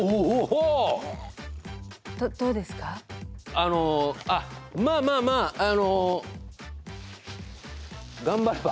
あのあっまあまあまあ頑張れば。